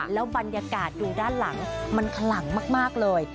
แล้วบรรยากาศดูด้านหลังมันขลังมากเลย